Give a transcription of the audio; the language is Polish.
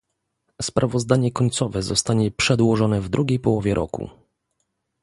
Sprawozdanie końcowe zostanie przedłożone w drugiej połowie roku